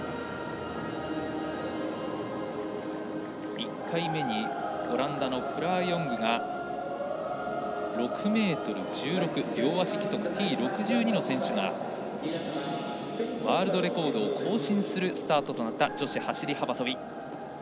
１回目にオランダのフラー・ヨングが６ｍ１６という両足義足、Ｔ６２の選手がワールドレコードを更新するスタートとなった女子走り幅跳び。